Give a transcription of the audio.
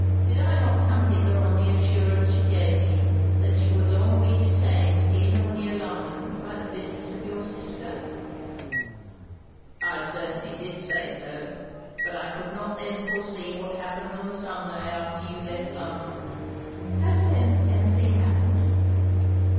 Did I not come hither on the assurance you gave me that you would long be detained in or near London by the business of your sister?' 'I certainly did say so. But I could not then foresee what happened on the Sunday after you left London.' 'Has, then, any thing happened?'